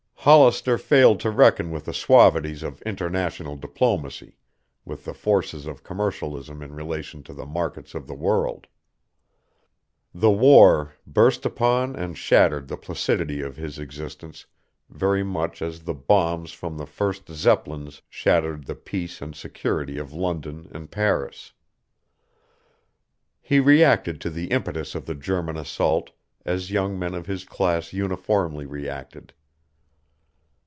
Hollister failed to reckon with the suavities of international diplomacy, with the forces of commercialism in relation to the markets of the world. The war burst upon and shattered the placidity of his existence very much as the bombs from the first Zeppelins shattered the peace and security of London and Paris. He reacted to the impetus of the German assault as young men of his class uniformly reacted.